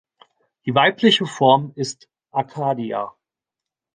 Die weibliche Form ist Arkadia.